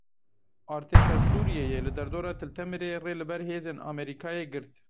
Artêşa Sûriyeyê li derdora Til Temirê rê li ber hêzên Amerîkayê girt.